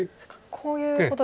こういうことですね。